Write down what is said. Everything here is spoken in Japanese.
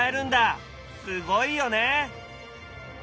すごいよね！